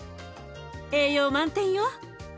栄養満点よ。